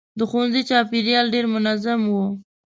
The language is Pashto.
د ښوونځي چاپېریال ډېر منظم و.